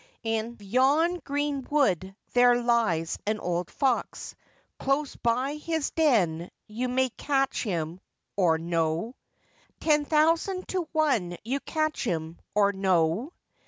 In yon green wood there lies an old fox, Close by his den you may catch him, or no; Ten thousand to one you catch him, or no.